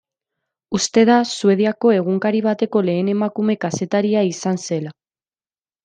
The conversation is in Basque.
Uste da Suediako egunkari bateko lehen emakume kazetaria izan zela.